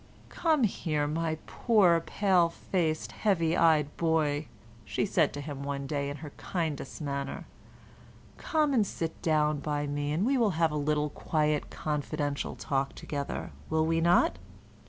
"Come here, my poor, pale faced, heavy eyed boy," she said to him one day in her kindest manner; "come and sit down by me, and we will have a little quiet confidential talk together, will we not?"